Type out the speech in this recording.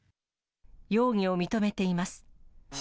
容疑を認めています。